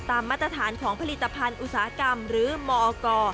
มาตรฐานของผลิตภัณฑ์อุตสาหกรรมหรือมอก